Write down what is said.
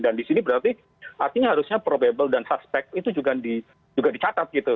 dan di sini berarti artinya harusnya probable dan suspect itu juga dicatat gitu